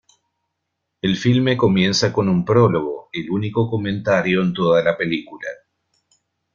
El filme comienza con un prólogo, el único comentario en toda la película.